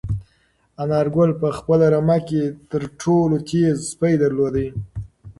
انارګل په خپله رمه کې تر ټولو تېز سپی درلود.